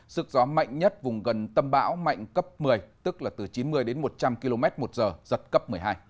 sức gió mạnh nhất vùng gần tâm bão mạnh cấp một mươi tức là từ chín mươi đến một trăm linh km một giờ giật cấp một mươi hai